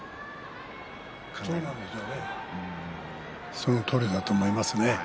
そのとおりだと思いますね。